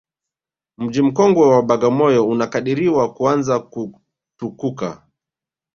Mji mkongwe wa Bagamoyo unakadiriwa kuanza kutukuka